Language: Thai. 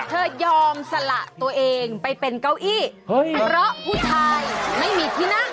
ยอมสละตัวเองไปเป็นเก้าอี้เพราะผู้ชายไม่มีที่นั่ง